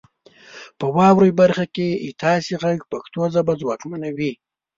په واورئ برخه کې ستاسو غږ پښتو ژبه ځواکمنوي.